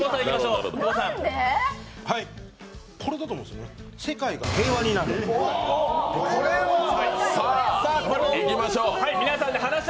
これだと思うんですよね。